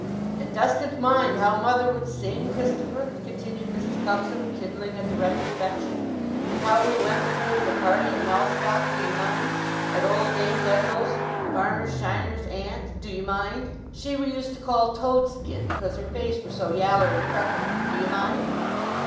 "And dostn't mind how mother would sing, Christopher?" continued Mrs. Cuxsom, kindling at the retrospection; "and how we went with her to the party at Mellstock, do ye mind?—at old Dame Ledlow's, farmer Shinar's aunt, do ye mind?—she we used to call Toad skin, because her face were so yaller and freckled, do ye mind?"